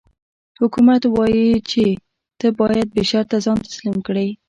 حکومت وايي چې ته باید بې شرطه ځان تسلیم کړې.